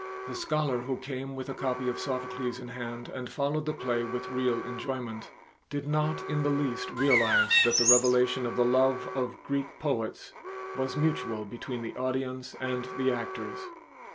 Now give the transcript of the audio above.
The scholar who came with a copy of Sophocles in hand and followed the play with real enjoyment, did not in the least realize that the revelation of the love of Greek poets was mutual between the audience and the actors.